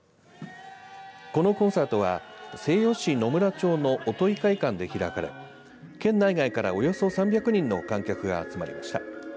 このコンサートは西予市野村町の乙亥会館で開かれ県内外からおよそ３００人の観客が集まりました。